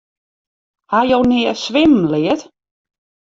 Ha jo nea swimmen leard?